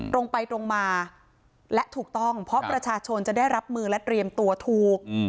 ตรงไปตรงมาและถูกต้องเพราะประชาชนจะได้รับมือและเตรียมตัวถูก